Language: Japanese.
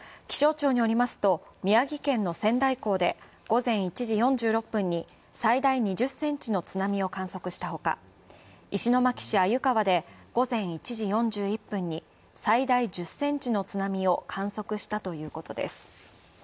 気象庁によりますと、宮城県の仙台港で午前１時４６分に最大２０センチの津波を観測したほか、石巻市鮎川で午前１時４１分に最大１０センチの津波を観測したということです。